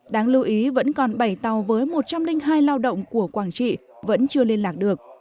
đáng lưu ý vẫn còn bảy tàu với một trăm linh hai lao động của quảng trị vẫn chưa liên lạc được